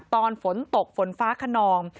ตอนฝนตกฝนฟ้าขนอง